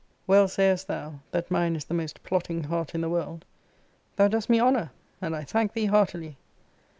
] Well sayest thou, that mine is the most plotting heart in the world. Thou dost me honour; and I thank thee heartily.